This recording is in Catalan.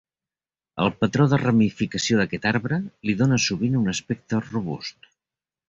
El patró de ramificació d'aquest arbre li dóna sovint un aspecte robust.